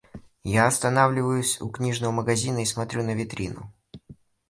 Я останавливаюсь у книжного магазина и смотрю на витрину.